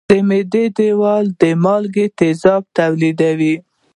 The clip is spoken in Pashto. د معدې دېوال د مالګي تیزاب تولیدوي.